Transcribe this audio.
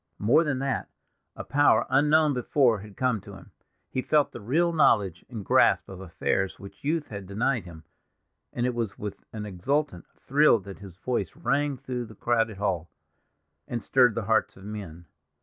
More than that, a power unknown before had come to him; he felt the real knowledge and grasp of affairs which youth had denied him, and it was with an exultant thrill that his voice rang through the crowded hall, and stirred the hearts of men.